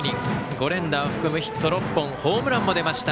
５連打を含むヒット６本ホームランも出ました。